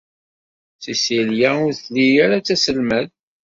Cecilia ur telli ara d taselmadt.